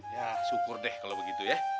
ya syukur deh kalau begitu ya